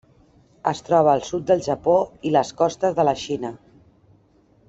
Es troba al sud del Japó i les costes de la Xina.